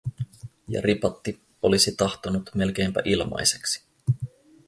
Ja Ripatti olisi tahtonut melkeinpä ilmaiseksi.